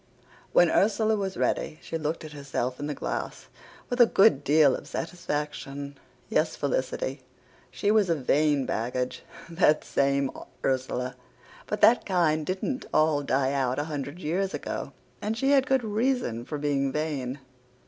"When Ursula was ready she looked at herself in the glass with a good deal of satisfaction. Yes, Felicity, she was a vain baggage, that same Ursula, but that kind didn't all die out a hundred years ago. And she had good reason for being vain.